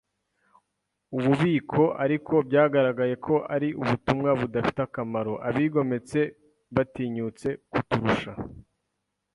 ububiko, ariko byagaragaye ko ari ubutumwa budafite akamaro. Abigometse batinyutse kuturusha